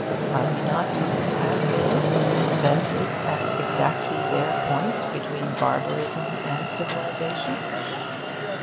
Are we not even as they suspended at exactly their point between barbarism and civilisation.